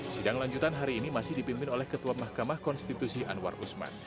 sidang lanjutan hari ini masih dipimpin oleh ketua mahkamah konstitusi anwar usman